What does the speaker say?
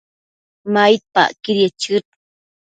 maidpacquidiec chëd